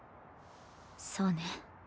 そうね。